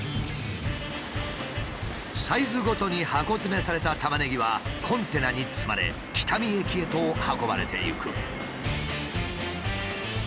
サイズごとに箱詰めされたタマネギはコンテナに積まれ北見駅へと運ばれていく。